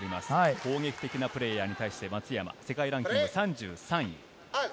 攻撃的なプレーヤーに対して松山、世界ランキング３３位。